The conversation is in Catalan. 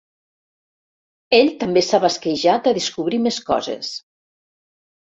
Ell també s'ha basquejat a descobrir més coses.